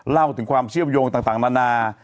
เล่าถึงความเชื่อมโยงต่างนานา